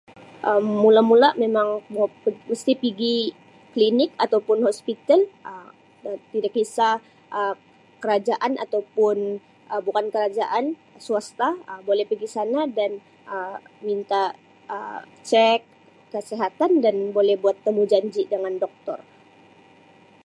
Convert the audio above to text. Um Mula-mula memang mau mesti pigi klinik ataupun hospital Um tidak kisah Um kerajaan ataupun Um bukan kerajaan swasta bole pigi sana Um dan Um minta cek kesihatan dan bole buat temujanji dengan doktor.